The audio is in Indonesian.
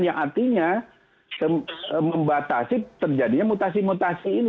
yang artinya membatasi terjadinya mutasi mutasi ini